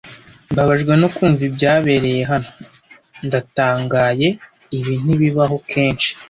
Mbabajwe no kumva ibyabereye hano. Ndatangaye ibi ntibibaho kenshi.